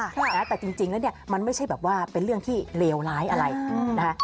แต่จริงแล้วเนี่ยมันไม่ใช่แบบว่าเป็นเรื่องที่เลวร้ายอะไรนะคะ